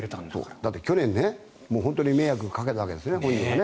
だって、去年本当に迷惑をかけたわけですね、本人は。